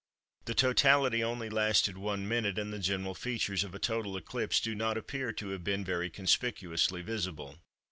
The totality only lasted one minute, and the general features of a total eclipse do not appear to have been very conspicuously visible.